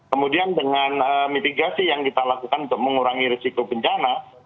kemudian dengan mitigasi yang kita lakukan untuk mengurangi risiko bencana